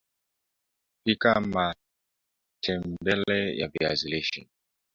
Pika matembele ya viazi lishe